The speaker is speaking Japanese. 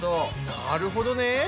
なるほどね。